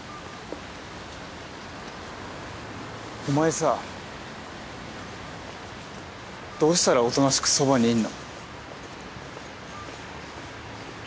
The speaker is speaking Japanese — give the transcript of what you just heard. お前さどうしたらおとなしくそばにいんの？